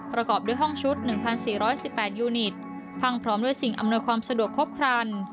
ประกอบด้วยห้องชุดหนึ่งพันสี่ร้อยสิบแปดยูนิตพังพร้อมด้วยสิ่งอำนวยความสะดวกครบครัน